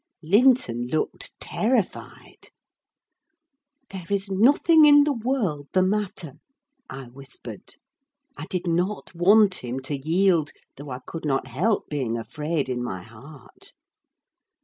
Linton looked terrified. "There is nothing in the world the matter," I whispered. I did not want him to yield, though I could not help being afraid in my heart.